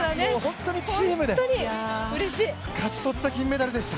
本当にチームで勝ち取った金メダルでした。